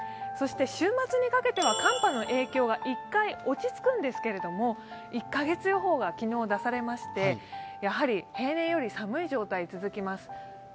そして週末にかけては寒波の影響が１回、落ち着くんですけど１カ月予報が昨日、出されまして平年より寒い状態、続きます。